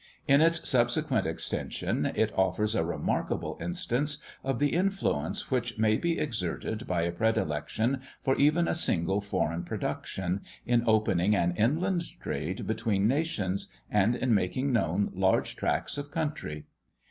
In its subsequent extension, it offers a remarkable instance of the influence which may be exerted by a predilection for even a single foreign production, in opening an inland trade between nations, and in making known large tracts of country.